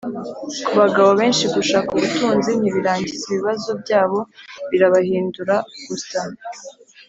“ku bagabo benshi, gushaka ubutunzi ntibirangiza ibibazo byabo, birabahindura gusa.”